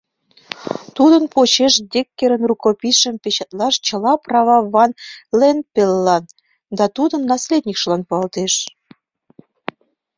Тудын почеш Деккерын рукописьшым печатлаш чыла права Ван-Ленпеплан да тудын наследникшылан пуалтеш.